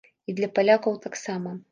І для палякаў таксама.